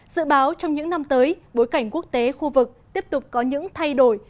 dự báo trong những năm tới bối cảnh quốc tế khu vực tiếp tục có những thay đổi